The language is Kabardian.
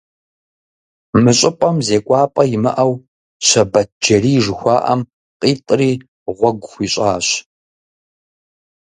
Мы щӀыпӀэм зекӀуапӀэ имыӀэу Щэбэтджэрий жыхуаӀэм къитӀри, гъуэгу хуищӀащ.